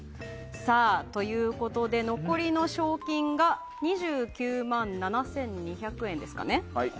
残りの賞金が２９万７２００円ですかね。